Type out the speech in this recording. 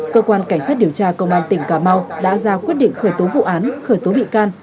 cơ quan cảnh sát điều tra công an tỉnh cà mau đã ra quyết định khởi tố vụ án khởi tố bị can